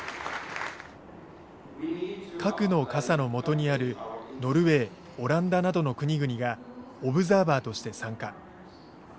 核の傘の下にあるノルウェーオランダなどの国々がオブザーバーとして参加。